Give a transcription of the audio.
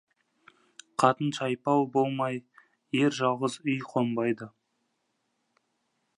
Қатын шайпау болмай, ер жалғыз үй қонбайды.